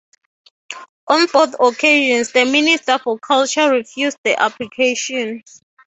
On both occasions the Minister for Culture refused the application.